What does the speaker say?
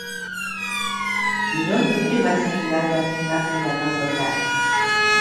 Non inprimatzen dira alderdien kartel erraldoiak?